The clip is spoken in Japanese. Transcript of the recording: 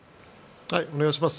お願いします。